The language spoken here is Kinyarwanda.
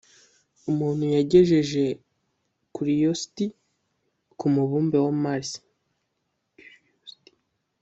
umuntu yagejeje curiosity ku mubumbe wa Mars